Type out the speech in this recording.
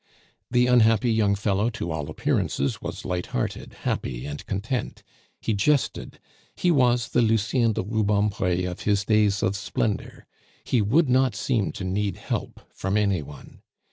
The unhappy young fellow to all appearances was light hearted, happy, and content; he jested, he was the Lucien de Rubempre of his days of splendor, he would not seem to need help from any one.